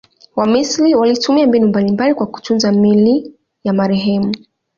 Wamisri walitumia mbinu mbalimbali kwa kutunza miili ya marehemu.